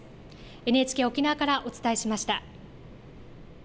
ＮＨＫ沖縄からお伝えしました。